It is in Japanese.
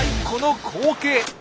この光景！